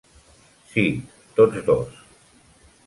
Sí, tots dos.